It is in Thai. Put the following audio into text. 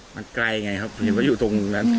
มันไกลไงครับเห็นว่าอยู่ตรงนั้น